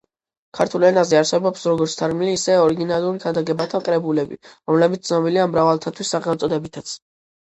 ქართულ ენაზე არსებობს როგორც თარგმნილი, ისე ორიგინალური ქადაგებათა კრებულები, რომლებიც ცნობილია მრავალთავის სახელწოდებითაც.